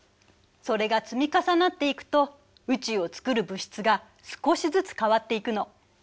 それが積み重なっていくと宇宙をつくる物質が少しずつ変わっていくの。